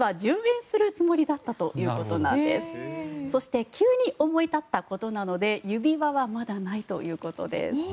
そして急に思い立ったことなので指輪はまだないということです。